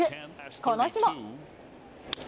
この日も。